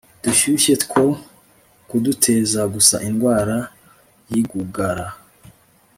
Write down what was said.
dushyushye two kuduteza gusa indwara yigugara